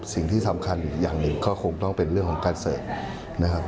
สิ่งที่สำคัญอย่างนึงก็คงเป็นเรื่องของการเสิร์ฟ